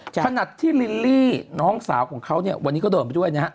ขนาดที่ลิลลี่น้องสาวของเขาเนี่ยวันนี้ก็เดินไปด้วยนะฮะ